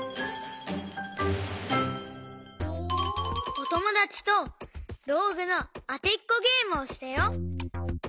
おともだちとどうぐのあてっこゲームをしたよ。